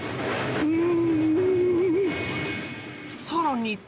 ［さらに］